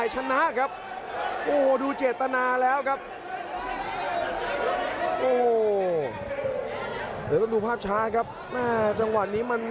หลังจาก๒รอบแอคชั่น